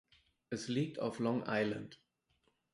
Es liegt auf Long Island.